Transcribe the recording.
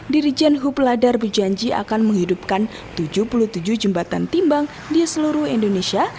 dirijen hub ladar berjanji akan menghidupkan tujuh puluh tujuh jembatan timbang di seluruh indonesia